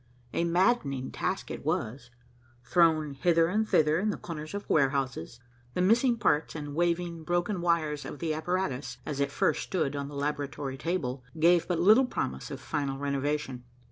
A maddening task it was. Thrown hither and thither in the corners of warehouses, the missing parts and waving broken wires of the apparatus, as it first stood on the laboratory table, gave but little promise of final renovation.